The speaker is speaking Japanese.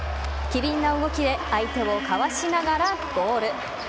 機敏な動きで相手をかわしながらゴール。